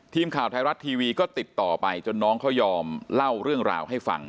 ทีมข่าวไทยรัฐทีวีก็ติดต่อไปจนน้องเขายอมเล่าเรื่องราวให้ฟัง